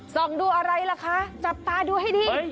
ส่องดูอะไรล่ะคะจับตาดูให้ดี